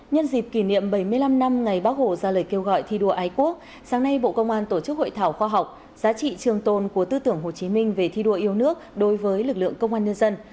nhân dịp kỷ niệm bảy mươi năm năm ngày bác hồ ra lời kêu gọi thi đua ái quốc sáng nay bộ công an tổ chức hội thảo khoa học giá trị trường tồn của tư tưởng hồ chí minh về thi đua yêu nước đối với lực lượng công an nhân dân